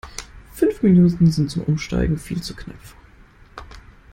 Fünf Minuten sind zum Umsteigen viel zu knapp.